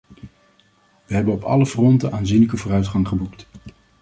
We hebben op alle fronten aanzienlijk vooruitgang geboekt.